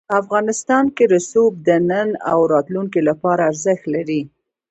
افغانستان کې رسوب د نن او راتلونکي لپاره ارزښت لري.